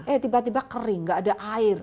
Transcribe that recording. eh tiba tiba kering gak ada air